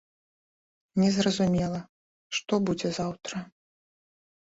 Незразумела, што будзе заўтра.